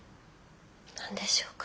何でしょうか。